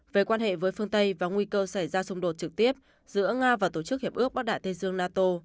về quan hệ với phương tây và nguy cơ xảy ra xung đột trực tiếp giữa nga và tổ chức hiệp ước bắc đại tây dương nato